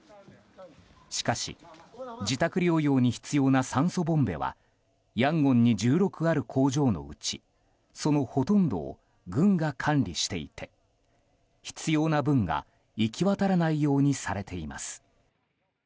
しかし自宅療養に必要な酸素ボンベはヤンゴンに１６ある工場のうちそのほとんどを軍が管理していて必要な分が行き渡らないようにされています。